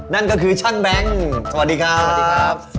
นั่นก็คือช่างแบงค์สวัสดีครับสวัสดีครับ